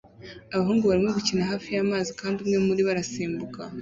Abahungu barimo gukina hafi y'amazi kandi umwe muribo arasimbuka